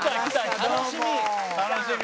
楽しみ！